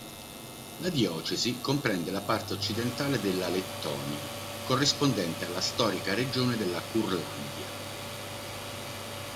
La diocesi comprende la parte occidentale della Lettonia, corrispondente alla storica regione della Curlandia.